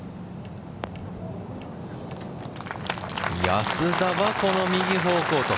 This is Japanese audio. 安田は、この右方向。